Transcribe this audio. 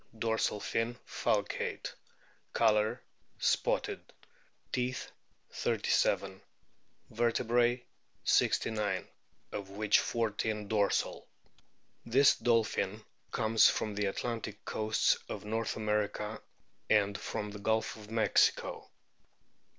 Dorsal fin falcate. Colour spotted. Teeth, 37. Vertebrae, 69, of which 14 dorsal. This dolphin comes from the Atlantic coasts of North America and from the Gulf of Mexico.